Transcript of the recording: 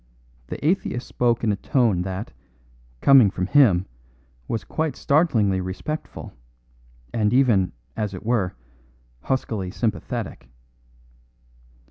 The atheist spoke in a tone that, coming from him, was quite startlingly respectful, and even, as it were, huskily sympathetic.